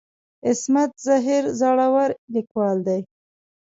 عصمت زهیر زړور ليکوال دی.